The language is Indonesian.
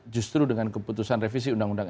justru dengan keputusan revisi undang undang